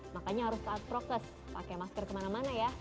makanya harus taat prokes pakai masker kemana mana ya